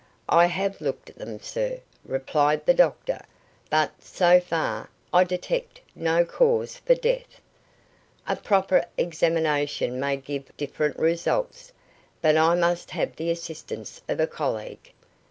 "I have looked at them, sir," replied the doctor; "but, so far, I detect no cause for death. A proper examination may give different results, but I must have the assistance of a colleague."